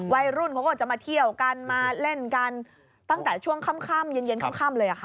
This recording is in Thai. วัยรุ่นเขาก็จะมาเที่ยวกันมาเล่นกันตั้งแต่ช่วงค่ำเย็นค่ำเลยค่ะ